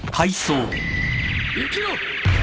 生きろ！！